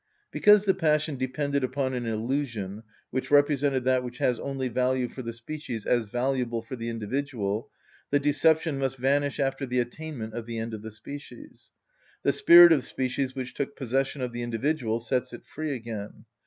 Because the passion depended upon an illusion, which represented that which has only value for the species as valuable for the individual, the deception must vanish after the attainment of the end of the species. The spirit of the species which took possession of the individual sets it free again.